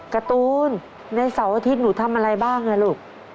การ์ตูนในเสาร์อาทิตย์หนูทำอะไรบ้างลูก